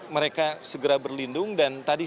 mereka segera berlindung dan tadi